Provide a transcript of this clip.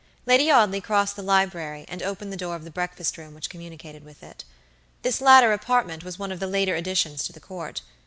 Lady Audley crossed the library, and opened the door of the breakfast room, which communicated with it. This latter apartment was one of the later additions to the Court.